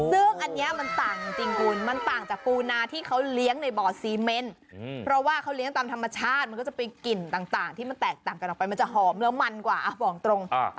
เพราะว่าเค้าเลี้ยงตามธรรมชาติมันก็จะเป็นกลิ่นต่างที่มันแตกต่างกันออกไปมันจะหอมแล้วมันกว่าบอกตรง